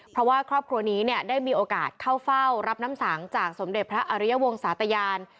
เพราะว่าครอบครัวนี้เนี่ยได้มีโอกาสเข้าเฝ้ารับน้ำสังจากสมเด็จพระอริยวงศาตยาน